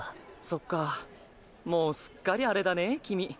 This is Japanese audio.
そっかもうすっかりアレだねキミ。